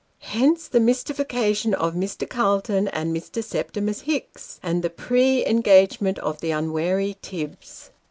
Hence, the mystification of Mr. Calton and Mr. Septimus Hicks, and the pre engagement of the unwary Tibbs.